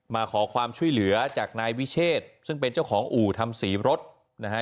มาขอความช่วยเหลือจากนายวิเชษซึ่งเป็นเจ้าของอู่ทำสีรถนะฮะ